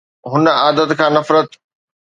هن عادت کان نفرت